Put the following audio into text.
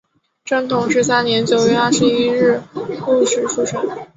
正统十三年九月二十一日戌时出生。